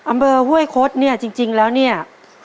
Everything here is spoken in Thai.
อำเบอร์เว้ยคสจริงแล้วเนี่ย